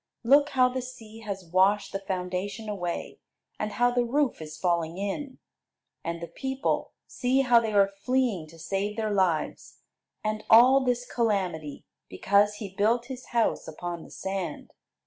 Look how the sea has washed the foundation away, and how the roof is falling in! And the people; see how they are fleeing to save their lives! And all this calamity because he built his house upon the sand.